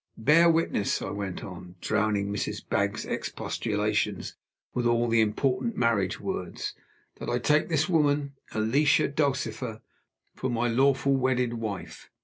Bear witness," I went on, drowning Mrs. Baggs's expostulations with the all important marriage words, "that I take this woman, Alicia Dulcifer for my lawful wedded wife."